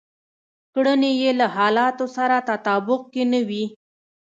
کړنې يې له حالتونو سره تطابق کې نه وي.